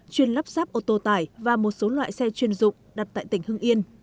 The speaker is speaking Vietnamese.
chuyên lắp ráp ô tô tải và một số loại xe chuyên dụng đặt tại tỉnh hưng yên